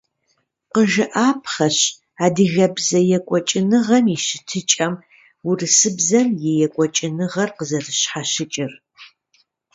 Къыжыӏапхъэщ адыгэбзэ екӏуныгъэм и щытыкӏэм урысыбзэм и екӏуныгъэр къызэрыщхьэщыкӏыр.